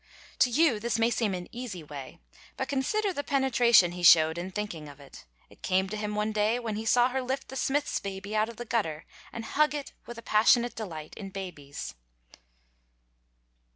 To you this may seem an easy way, but consider the penetration he showed in thinking of it. It came to him one day when he saw her lift the smith's baby out of the gutter, and hug it with a passionate delight in babies.